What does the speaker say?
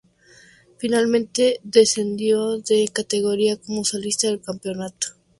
Finalmente descendió de categoría como colista del campeonato.